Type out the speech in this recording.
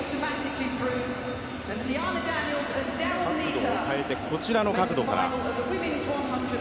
角度を変えてこちらの角度から。